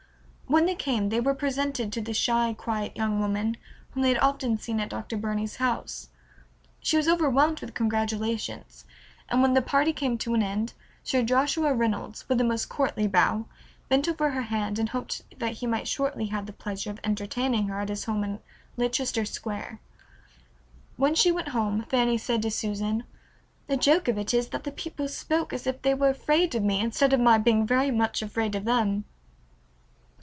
When they came they were presented to the shy, quiet young woman whom they had often seen at Dr. Burney's house. She was overwhelmed with congratulations, and when the party came to an end Sir Joshua Reynolds, with a most courtly bow, bent over her hand, and hoped that he might shortly have the pleasure of entertaining her at his home in Leicester Square. When she went home Fanny said to Susan, "The joke of it is that the people spoke as if they were afraid of me, instead of my being very much afraid of them."